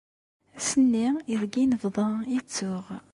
Ass-nni ideg nebḍa i ttuɣ.